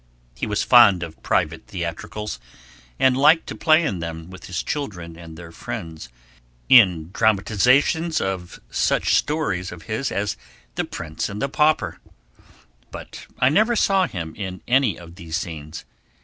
He was fond of private theatricals, and liked to play in them with his children and their friends, in dramatizations of such stories of his as 'The Prince and the Pauper;' but I never saw him in any of these scenes.